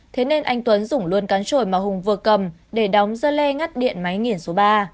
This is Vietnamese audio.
thế nên anh tuấn dùng luôn cán trổi mà hùng vừa cầm để đóng rơ le ngắt điện máy nghiển số ba